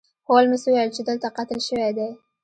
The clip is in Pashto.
هولمز وویل چې دلته قتل شوی دی.